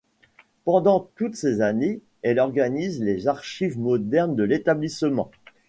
Pendant toutes ces années, elle organise les archives modernes de l'établissement.